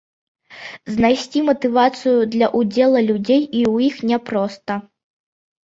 Знайсці матывацыю для ўдзелу людзей у іх няпроста.